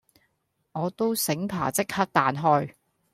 我都醒爬即刻彈開